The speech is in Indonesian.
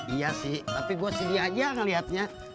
iya sih tapi gue sedih aja ngeliatnya